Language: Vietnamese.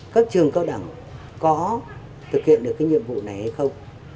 các trường cao đẳng có thực hiện được cái nhiệm vụ này hay không